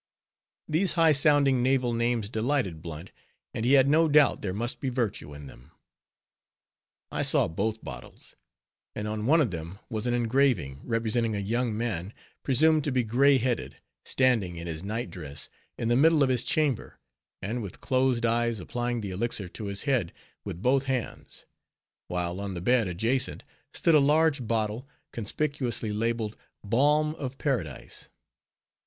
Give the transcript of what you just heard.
_ These high sounding naval names delighted Blunt, and he had no doubt there must be virtue in them. I saw both bottles; and on one of them was an engraving, representing a young man, presumed to be gray headed, standing in his night dress in the middle of his chamber, and with closed eyes applying the Elixir to his head, with both hands; while on the bed adjacent stood a large bottle, conspicuously labeled, _"Balm of Paradise."